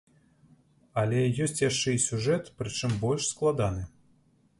Але ёсць яшчэ і сюжэт, прычым больш складаны.